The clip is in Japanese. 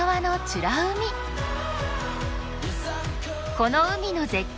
この海の絶景